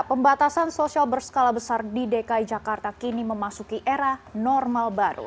pembatasan sosial berskala besar di dki jakarta kini memasuki era normal baru